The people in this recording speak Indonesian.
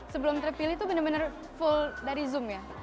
sebelum terpilih tuh bener bener full dari zoom ya